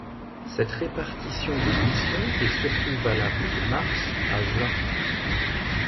Cette répartition des missions est surtout valable de mars à juin.